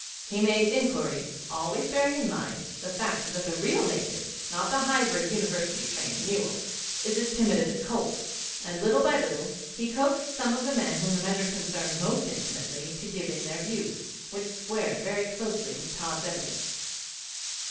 He made inquiries, always bearing in mind the fact that the real native not the hybrid, University trained mule is as timid as a colt, and little by little, he coaxed some of the men whom the measure concerned most intimately to give in their views, which squared very closely with Tods' evidence.